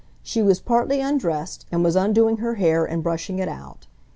She was partly undressed, and was undoing her hair and brushing it out.